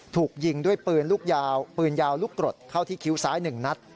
ถูกยิงด้วยปืนยาวลูกกรดเข้าที่คิ้วซ้ายหนึ่งนัด